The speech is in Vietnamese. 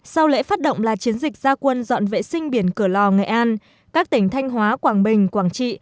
sau lễ phát động là chiến dịch gia quân dọn vệ sinh biển cửa lò nghệ an các tỉnh thanh hóa quảng bình quảng trị